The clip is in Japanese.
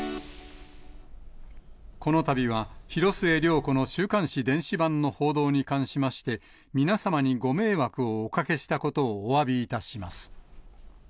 このたびは、広末涼子の週刊誌電子版の報道に関しまして、皆様にご迷惑をおかけしたことをおわびいたします。